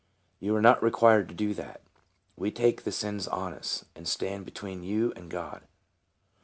" You are not required to do that. We take the sins on us, and stand between you and God."